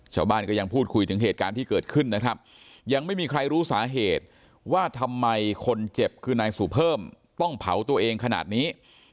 ชาวบ้านก็ยังพูดคุยถึงเหตุการณ์ที่เกิดขึ้นนะครับยังไม่มีใครรู้สาเหตุว่าทำไมคนเจ็บคือนายสุเพิ่มต้องเผาตัวเองขนาดนี้